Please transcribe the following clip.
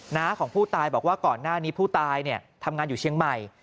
น้าของผู้ตายบอกว่าก่อนหน้านี้ผู้ตายทำงานอยู่เชียงใหม่